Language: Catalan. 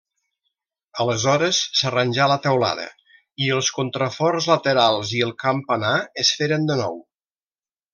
Aleshores s'arranjà la teulada i els contraforts laterals i el campanar es feren de nou.